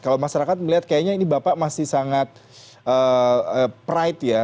kalau masyarakat melihat kayaknya ini bapak masih sangat pride ya